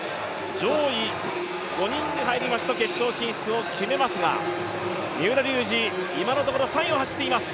上位５人に入りますと決勝進出を決めますが、三浦龍司、今のところ、３位を走っています。